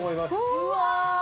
◆うわ！